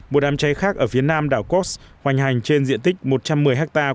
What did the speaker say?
một đám trái khác ở phía nam đảo cóc hoành hành trên diện tích một trăm một mươi hectare